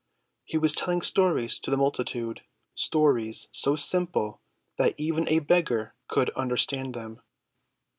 He was telling stories to the multitude, stories so simple that even a beggar could understand them.